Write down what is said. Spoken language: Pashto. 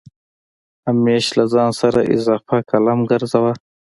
همېش له ځان سره اضافه قلم ګرځوه